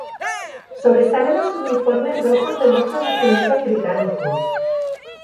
Sobresalen los uniformes rojos de muchos regimientos británicos.